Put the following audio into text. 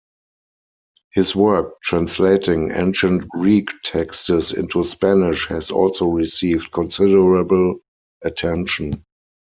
His work translating Ancient Greek texts into Spanish has also received considerable attention.